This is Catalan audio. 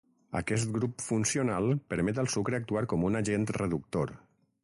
Aquest grup funcional permet al sucre actuar com un agent reductor.